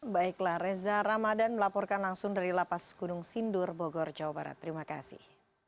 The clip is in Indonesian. baiklah reza ramadan melaporkan langsung dari lapas gunung sindur bogor jawa barat terima kasih